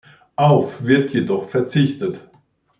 Auf wird jedoch verzichtet.